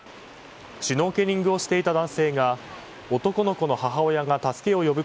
シュノーケリングをしていた男性が男の子の母親が助けを呼ぶ